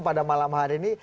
pada malam hari ini